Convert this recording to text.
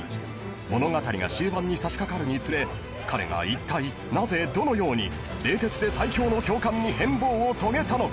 ［物語が終盤に差し掛かるにつれ彼がいったいなぜどのように冷徹で最恐の教官に変貌を遂げたのか？］